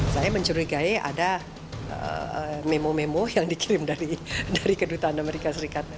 saya mencurigai ada memo memo yang dikirim dari kedutaan amerika serikat